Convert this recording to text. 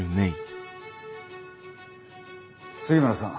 杉村さん。